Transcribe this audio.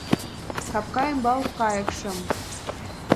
Капка ӱмбал кайыкшым